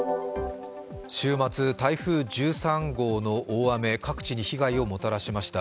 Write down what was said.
週末、台風１３号の大雨、各地に被害をもたらしました。